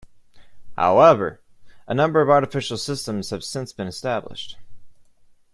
However, a number of artificial systems have since been established.